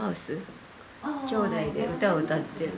きょうだいで歌を歌ってる。